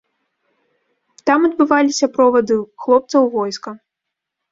Там адбываліся провады хлопца ў войска.